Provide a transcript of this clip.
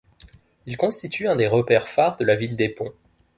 Il constitue un des repères phares de la ville des ponts.